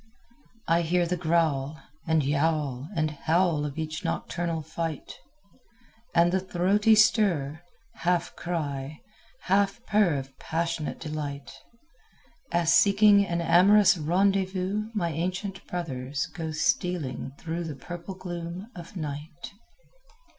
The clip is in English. I hear the growl, and yowl and howl Of each nocturnal fight, And the throaty stir, half cry, half purr Of passionate delight, As seeking an amorous rendezvous My ancient brothers go stealing Through the purple gloom of night.